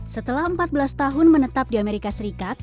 setelah empat belas tahun menetap di amerika serikat